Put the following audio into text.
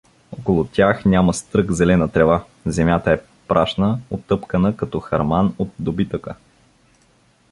Около тях няма стрък зелена трева, земята е прашна, утъпкана като харман от добитъка.